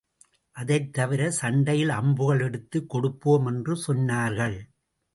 அதைத் தவிர, சண்டையில் அம்புகள் எடுத்துக் கொடுப்போம் என்று சொன்னார்கள்.